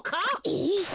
えっ？